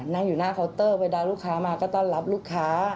นั่งอยู่หน้าเคาน์เตอร์เวลาลูกค้ามาก็ต้อนรับลูกค้า